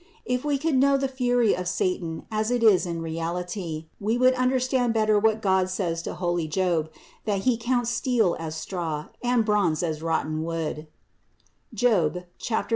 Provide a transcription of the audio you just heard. If we could know the fury of satan as it is in reality, we would understand better what God says to holy Job, that he counts steel as straw and bronze as rotten wood (Job 41, 18).